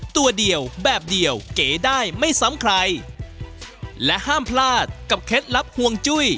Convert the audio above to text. ตัวเดียวแบบเดียวเก๋ได้ไม่ซ้ำใครและห้ามพลาดกับเคล็ดลับห่วงจุ้ย